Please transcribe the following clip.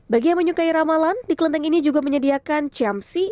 bagi yang menyukai ramalan di kelenteng ini juga menyediakan ciamsi